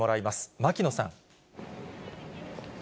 牧野さん。